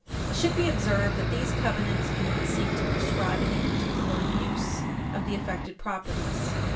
It should be observed that these covenants do not seek to proscribe any particular use of the affected properties.